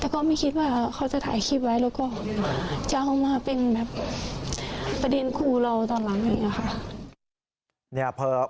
แต่ก็ไม่คิดว่าเขาจะถ่ายคลิปไว้แล้วก็จะเอามาเป็นแบบประเด็นครูเราตอนหลังอย่างนี้ค่ะ